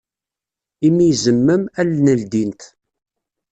Imi izemmem, allen ldint.